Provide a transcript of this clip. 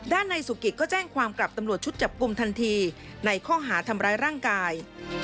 นายสุกิตก็แจ้งความกลับตำรวจชุดจับกลุ่มทันทีในข้อหาทำร้ายร่างกาย